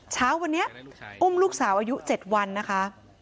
เช้าวันนี้อุ้มลูกสาวอายุ๗วันนะคะ